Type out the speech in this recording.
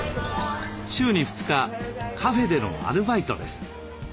週に２日カフェでのアルバイトです。